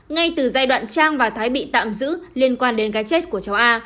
ngay từ giai đoạn trang và thái bị tạm giữ liên quan đến cái chết của cháu a